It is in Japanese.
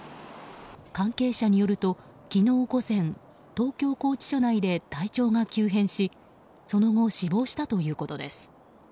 関係者によると昨日午前東京拘置所内で体調が急変しその後死亡したということです。